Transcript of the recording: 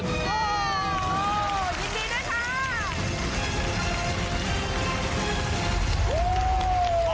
โอ้โฮยินดีนะคะ